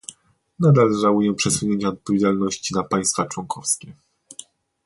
Nadal żałuję przesunięcia odpowiedzialności na państwa członkowskie